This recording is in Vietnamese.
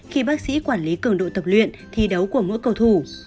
khi bác sĩ quản lý cường độ tập luyện thi đấu của mỗi cầu thủ